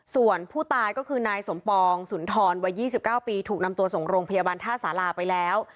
ส่วนผู้ตายก็คือนายสมปองสุนทรวัย๒๙ปีถูกนำตัวส่งโรงพยาบาลท่าสาราไปแล้ว